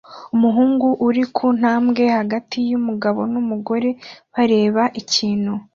Umuhungu uri ku ntambwe hagati y'umugabo n'umugore bareba ikintu